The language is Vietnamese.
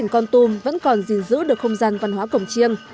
con tum vẫn còn gìn giữ được không gian văn hóa cổng chiêng